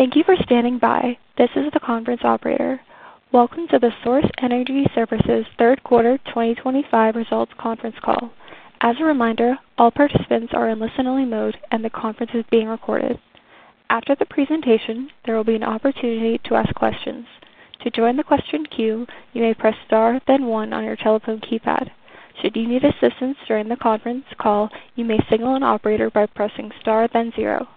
Thank you for standing by. This is the conference operator. Welcome to the Source Energy Services Third Quarter 2025 Results Conference Call. As a reminder, all participants are in listen-only mode, and the conference is being recorded. After the presentation, there will be an opportunity to ask questions. To join the question queue, you may press star, then one on your telephone keypad. Should you need assistance during the conference call, you may signal an operator by pressing star, then zero.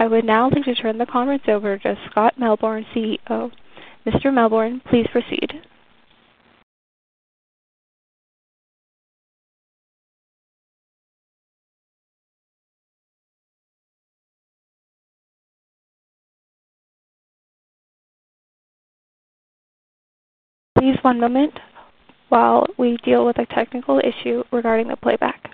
I would now like to turn the conference over to Scott Melbourn, CEO. Mr. Melbourn, please proceed. Please one moment while we deal with a technical issue regarding the playback.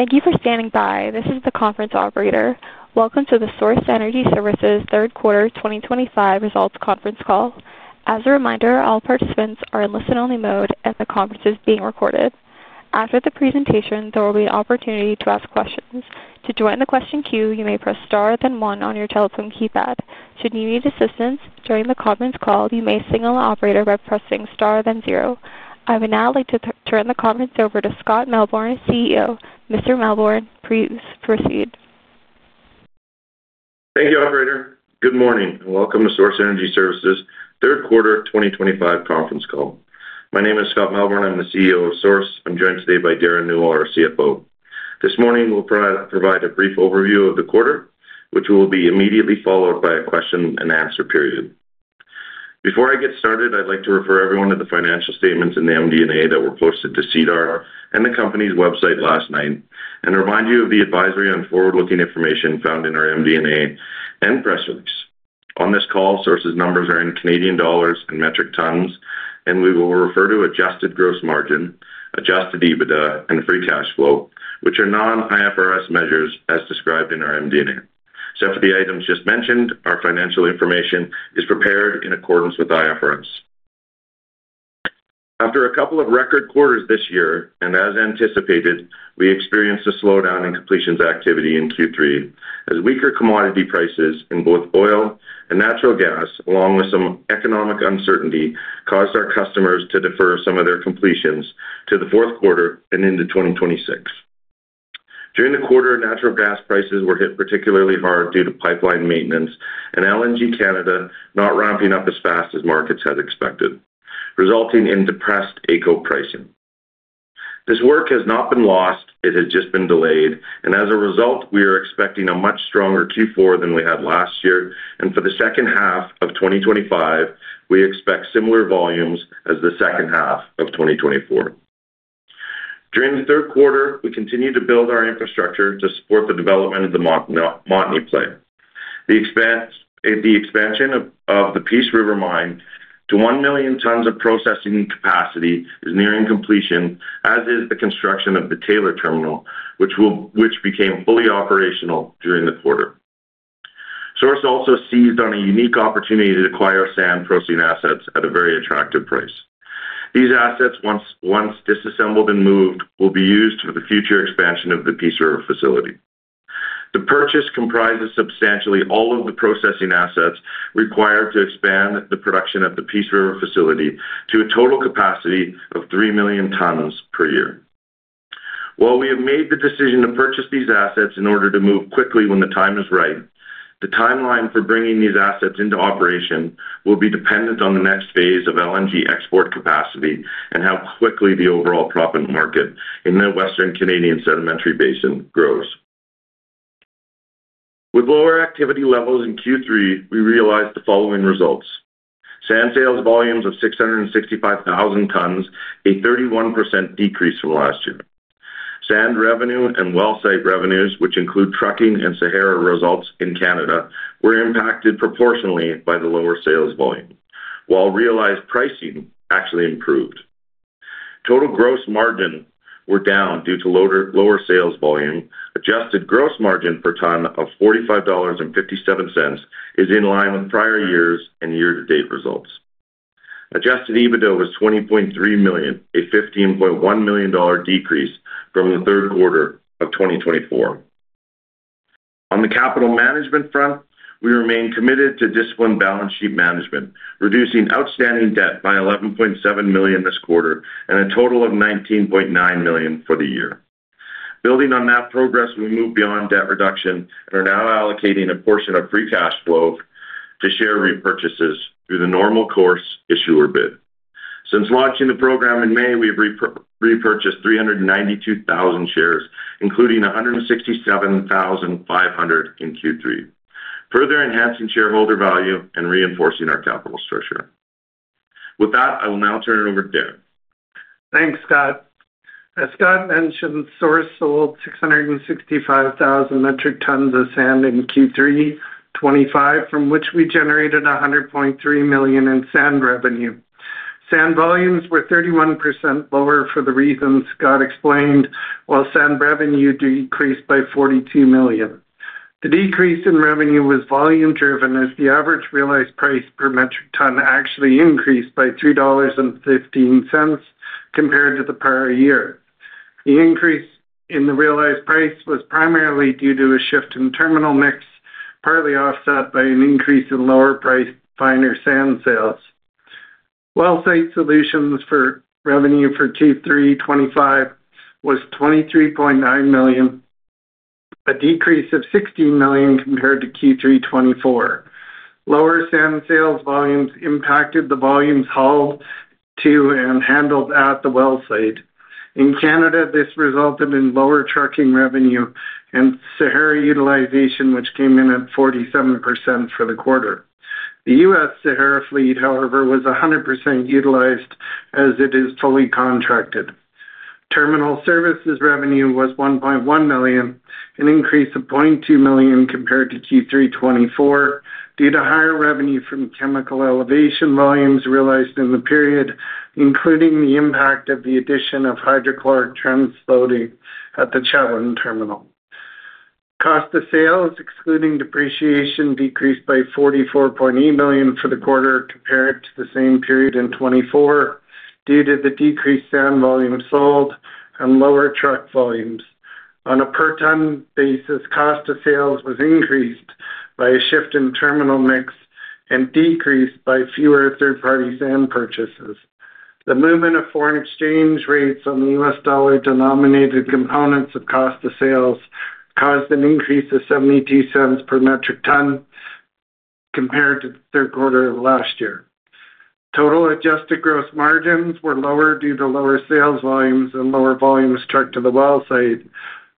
Thank you for standing by. This is the conference operator. Welcome to the Source Energy Services Third Quarter 2025 Results Conference Call. As a reminder, all participants are in listen-only mode, and the conference is being recorded. After the presentation, there will be an opportunity to ask questions. To join the question queue, you may press star, then one on your telephone keypad. Should you need assistance during the conference call, you may signal an operator by pressing star, then zero. I would now like to turn the conference over to Scott Melbourn, CEO. Mr. Melbourn, please proceed. Thank you, operator. Good morning and welcome to Source Energy Services Third Quarter 2025 Conference Call. My name is Scott Melbourn. I'm the CEO of Source. I'm joined today by Derren Newell, our CFO. This morning, we'll provide a brief overview of the quarter, which will be immediately followed by a question-and-answer period. Before I get started, I'd like to refer everyone to the financial statements and the MD&A that were posted to SEDAR and the company's website last night, and remind you of the advisory on forward-looking information found in our MD&A and press release. On this call, Source's numbers are in CAD and metric tons, and we will refer to adjusted gross margin, adjusted EBITDA, and free cash flow, which are non-IFRS measures as described in our MD&A. Except for the items just mentioned, our financial information is prepared in accordance with IFRS. After a couple of record quarters this year, and as anticipated, we experienced a slowdown in completions activity in Q3 as weaker commodity prices in both oil and natural gas, along with some economic uncertainty, caused our customers to defer some of their completions to the fourth quarter and into 2026. During the quarter, natural gas prices were hit particularly hard due to pipeline maintenance and LNG Canada not ramping up as fast as markets had expected, resulting in depressed AECO pricing. This work has not been lost; it has just been delayed, and as a result, we are expecting a much stronger Q4 than we had last year. For the second half of 2025, we expect similar volumes as the second half of 2024. During the third quarter, we continue to build our infrastructure to support the development of the Montney plant. The expansion of the Peace River mine to 1 million tons of processing capacity is nearing completion, as is the construction of the Taylor terminal, which became fully operational during the quarter. Source also seized on a unique opportunity to acquire sand processing assets at a very attractive price. These assets, once disassembled and moved, will be used for the future expansion of the Peace River facility. The purchase comprises substantially all of the processing assets required to expand the production at the Peace River facility to a total capacity of 3 million tons per year. While we have made the decision to purchase these assets in order to move quickly when the time is right, the timeline for bringing these assets into operation will be dependent on the next phase of LNG export capacity and how quickly the overall profit market in the Western Canadian Sedimentary Basin grows. With lower activity levels in Q3, we realized the following results: sand sales volumes of 665,000 tons, a 31% decrease from last year. Sand revenue and well site revenues, which include trucking and Sahara results in Canada, were impacted proportionally by the lower sales volume, while realized pricing actually improved. Total gross margin was down due to lower sales volume. Adjusted gross margin per ton of $45.57 is in line with prior years and year-to-date results. Adjusted EBITDA was $20.3 million, a $15.1 million decrease from the third quarter of 2024. On the capital management front, we remain committed to disciplined balance sheet management, reducing outstanding debt by $11.7 million this quarter and a total of $19.9 million for the year. Building on that progress, we moved beyond debt reduction and are now allocating a portion of free cash flow to share repurchases through the normal course issuer bid. Since launching the program in May, we have repurchased 392,000 shares, including 167,500 in Q3, further enhancing shareholder value and reinforcing our capital structure. With that, I will now turn it over to Derren. Thanks, Scott. As Scott mentioned, Source sold 665,000 metric tons of sand in Q3 2025, from which we generated 100.3 million in sand revenue. Sand volumes were 31% lower for the reasons Scott explained, while sand revenue decreased by 42 million. The decrease in revenue was volume-driven as the average realized price per metric ton actually increased by $3.15 compared to the prior year. The increase in the realized price was primarily due to a shift in terminal mix, partly offset by an increase in lower-priced finer sand sales. Well site solutions revenue for Q3 2025 was 23.9 million, a decrease of 16 million compared to Q3 2024. Lower sand sales volumes impacted the volumes hauled to and handled at the well site. In Canada, this resulted in lower trucking revenue and Sahara utilization, which came in at 47% for the quarter. The U.S. Sahara fleet, however, was 100% utilized as it is fully contracted. Terminal services revenue was 1.1 million, an increase of 0.2 million compared to Q3 2024 due to higher revenue from chemical elevation volumes realized in the period, including the impact of the addition of hydrochloric transloading at the Chabron terminal. Cost of sales, excluding depreciation, decreased by 44.8 million for the quarter compared to the same period in 2024 due to the decreased sand volume sold and lower truck volumes. On a per-ton basis, cost of sales was increased by a shift in terminal mix and decreased by fewer third-party sand purchases. The movement of foreign exchange rates on the U.S. dollar-denominated components of cost of sales caused an increase of $0.72 per metric ton compared to the third quarter of last year. Total adjusted gross margins were lower due to lower sales volumes and lower volumes trucked to the well site.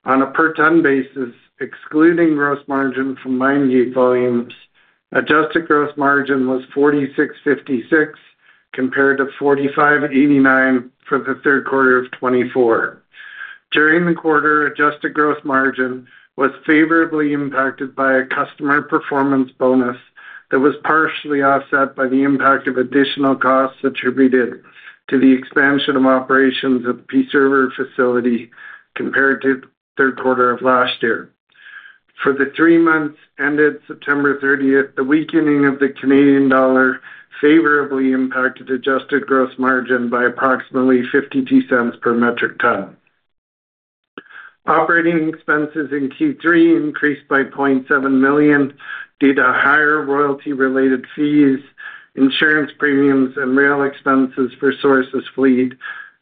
On a per-ton basis, excluding gross margin from mine yield volumes, adjusted gross margin was $46.56 compared to $45.89 for the third quarter of 2024. During the quarter, adjusted gross margin was favorably impacted by a customer performance bonus that was partially offset by the impact of additional costs attributed to the expansion of operations at the Peace River facility compared to the third quarter of last year. For the three months ended September 30th, the weakening of the Canadian dollar favorably impacted adjusted gross margin by approximately 0.52 per metric ton. Operating expenses in Q3 increased by 0.7 million due to higher royalty-related fees, insurance premiums, and rail expenses for Source's fleet,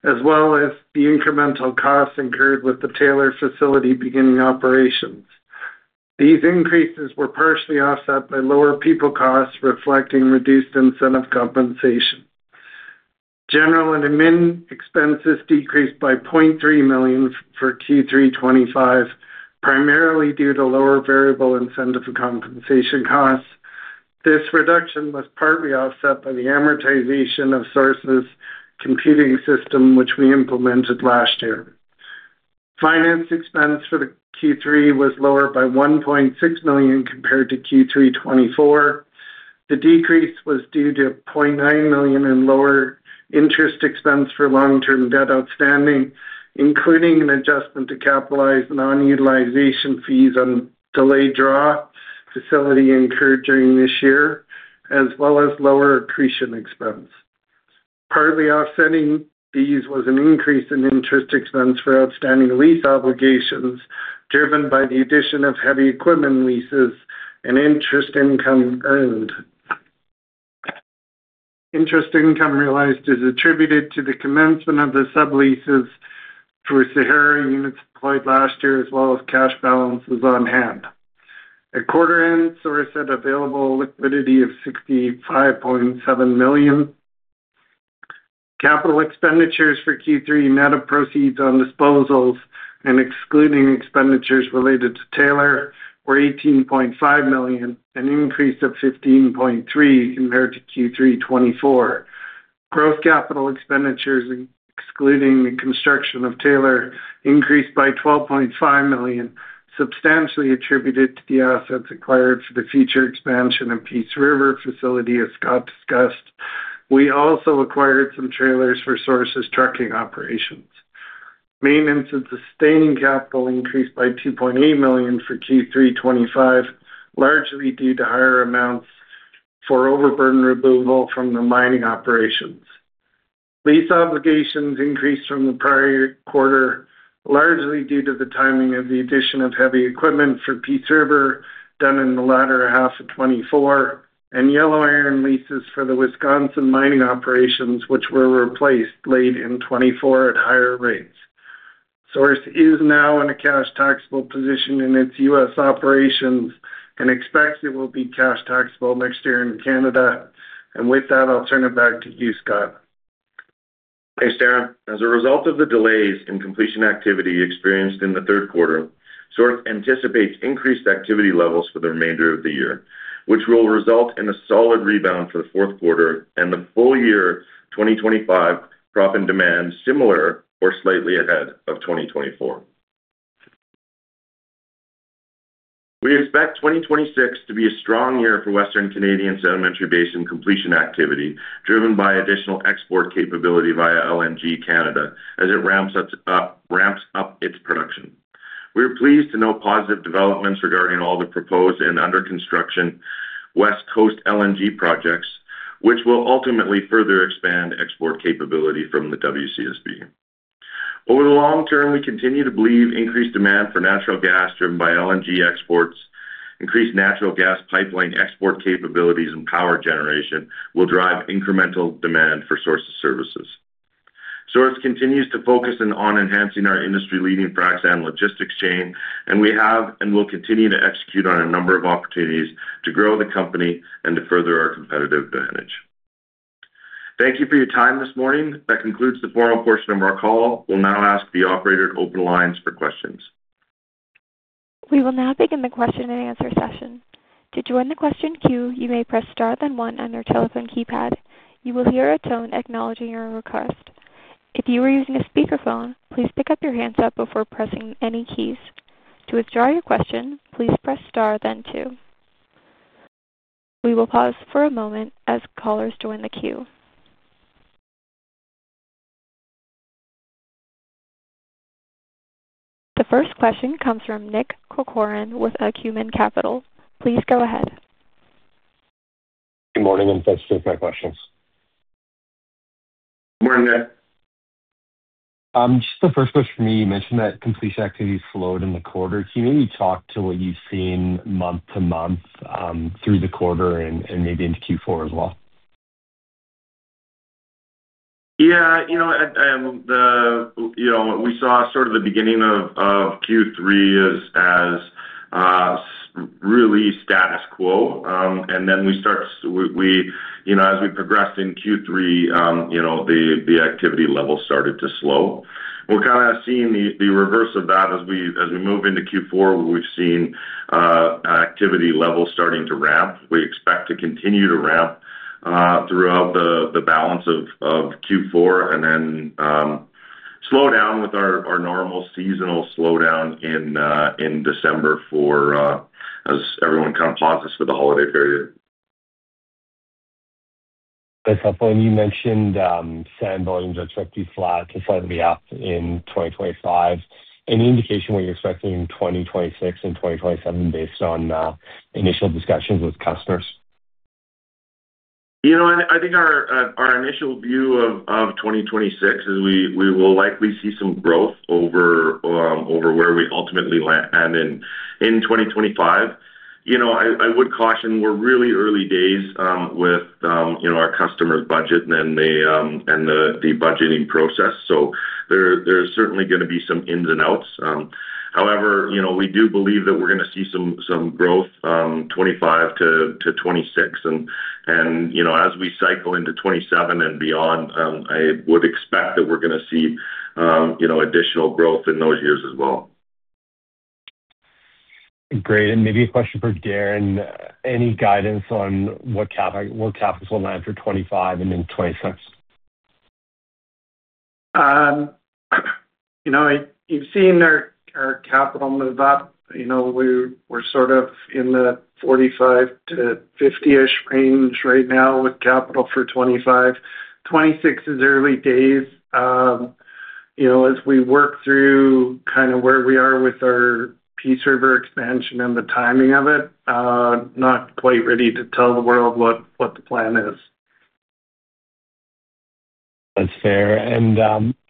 as well as the incremental costs incurred with the Taylor facility beginning operations. These increases were partially offset by lower people costs reflecting reduced incentive compensation. General and admin expenses decreased by 0.3 million for Q3 2025, primarily due to lower variable incentive compensation costs. This reduction was partly offset by the amortization of Source's computing system, which we implemented last year. Finance expense for Q3 was lower by 1.6 million compared to Q3 2024. The decrease was due to 0.9 million in lower interest expense for long-term debt outstanding, including an adjustment to capitalize non-utilization fees on delayed draw facility incurred during this year, as well as lower accretion expense. Partly offsetting these was an increase in interest expense for outstanding lease obligations driven by the addition of heavy equipment leases and interest income earned. Interest income realized is attributed to the commencement of the sub-leases for Sahara units deployed last year, as well as cash balances on hand. At quarter-end, Source had available liquidity of 65.7 million. Capital expenditures for Q3, net of proceeds on disposals and excluding expenditures related to Taylor, were 18.5 million, an increase of 15.3 million compared to Q3 2024. Gross capital expenditures, excluding the construction of Taylor, increased by 12.5 million, substantially attributed to the assets acquired for the future expansion of the Peace River facility, as Scott discussed. We also acquired some trailers for Source's trucking operations. Maintenance and sustaining capital increased by 2.8 million for Q3 2025, largely due to higher amounts for overburden removal from the mining operations. Lease obligations increased from the prior quarter, largely due to the timing of the addition of heavy equipment for Peace River done in the latter half of 2024, and yellow iron leases for the Wisconsin mining operations, which were replaced late in 2024 at higher rates. Source is now in a cash taxable position in its U.S. operations and expects it will be cash taxable next year in Canada. With that, I'll turn it back to you, Scott. Thanks, Derren. As a result of the delays in completion activity experienced in the third quarter, Source anticipates increased activity levels for the remainder of the year, which will result in a solid rebound for the fourth quarter and the full year 2025 prop and demand similar or slightly ahead of 2024. We expect 2026 to be a strong year for Western Canadian Sedimentary Basin completion activity, driven by additional export capability via LNG Canada as it ramps up its production. We are pleased to note positive developments regarding all the proposed and under construction West Coast LNG projects, which will ultimately further expand export capability from the WCSB. Over the long term, we continue to believe increased demand for natural gas driven by LNG exports, increased natural gas pipeline export capabilities, and power generation will drive incremental demand for Source's services. Source continues to focus on enhancing our industry-leading frac sand logistics chain, and we have and will continue to execute on a number of opportunities to grow the company and to further our competitive advantage. Thank you for your time this morning. That concludes the formal portion of our call. We will now ask the operator to open the lines for questions. We will now begin the question and answer session. To join the question queue, you may press star then one on your telephone keypad. You will hear a tone acknowledging your request. If you are using a speakerphone, please pick up your handset before pressing any keys. To withdraw your question, please press star then two. We will pause for a moment as callers join the queue. The first question comes from Nick Corcoran with Acumen Capital. Please go ahead. Good morning and thanks for taking my questions. Good morning, Nick. Just the first question for me, you mentioned that completion activity slowed in the quarter. Can you maybe talk to what you've seen month to month through the quarter and maybe into Q4 as well? Yeah. You know, we saw sort of the beginning of Q3 as really status quo. And then we start, as we progressed in Q3, the activity level started to slow. We're kind of seeing the reverse of that. As we move into Q4, we've seen activity level starting to ramp. We expect to continue to ramp throughout the balance of Q4 and then slow down with our normal seasonal slowdown in December for as everyone kind of pauses for the holiday period. As I pointed, you mentioned sand volumes are expected to flat to slightly up in 2025. Any indication what you're expecting in 2026 and 2027 based on initial discussions with customers? You know, I think our initial view of 2026 is we will likely see some growth over where we ultimately land in 2025. You know, I would caution, we're really early days with our customer budget and the budgeting process. There is certainly going to be some ins and outs. However, we do believe that we're going to see some growth 2025-2026. As we cycle into 2027 and beyond, I would expect that we're going to see additional growth in those years as well. Great. Maybe a question for Derren. Any guidance on what capital will land for 2025 and then 2026? You know, you've seen our capital move up. You know, we're sort of in the 45 million-50 million range right now with capital for 2025. 2026 is early days. You know, as we work through kind of where we are with our Peace River expansion and the timing of it, not quite ready to tell the world what the plan is. That's fair.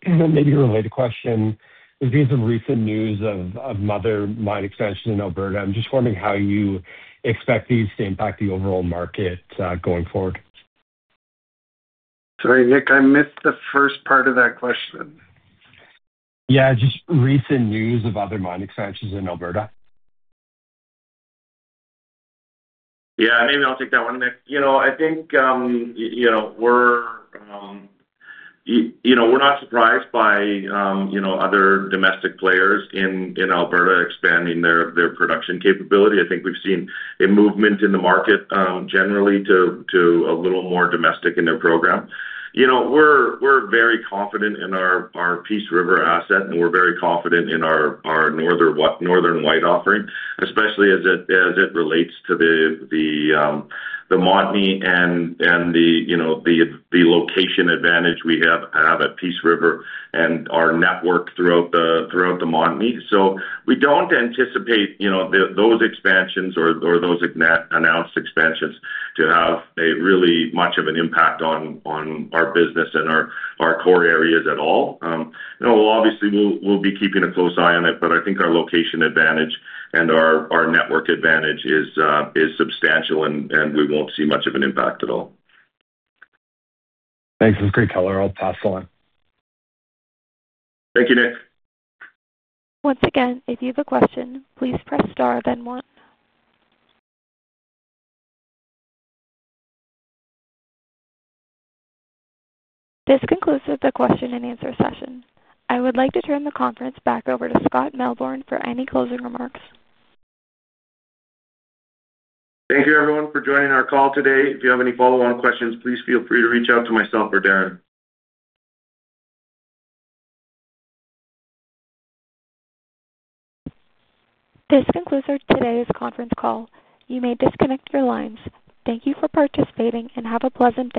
Maybe a related question. There's been some recent news of another mine expansion in Alberta. I'm just wondering how you expect these to impact the overall market going forward. Sorry, Nick, I missed the first part of that question. Yeah, just recent news of other mine expansions in Alberta. Yeah, maybe I'll take that one, Nick. You know, I think we're not surprised by other domestic players in Alberta expanding their production capability. I think we've seen a movement in the market generally to a little more domestic in their program. You know, we're very confident in our Peace River asset, and we're very confident in our Northern White offering, especially as it relates to the Montney and the location advantage we have at Peace River and our network throughout the Montney. So we don't anticipate those expansions or those announced expansions to have really much of an impact on our business and our core areas at all. You know, obviously, we'll be keeping a close eye on it, but I think our location advantage and our network advantage is substantial, and we won't see much of an impact at all. Thanks. That's great, and I'll pass along. Thank you, Nick. Once again, if you have a question, please press star then one. This concludes the question and answer session. I would like to turn the conference back over to Scott Melbourn for any closing remarks. Thank you, everyone, for joining our call today. If you have any follow-on questions, please feel free to reach out to myself or Derren. This concludes today's conference call. You may disconnect your lines. Thank you for participating and have a pleasant day.